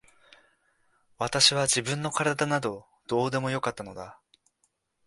私は自分の体などどうでもよかったのだ。